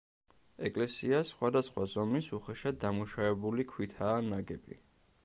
ეკლესია სხვადასხვა ზომის უხეშად დამუშავებული ქვითაა ნაგები.